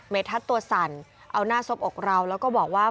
เมทัศน์ตัวสั่นเอาหน้าซบอกเราแล้วก็บอกว่า